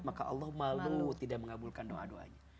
maka allah malu tidak mengabulkan doa doanya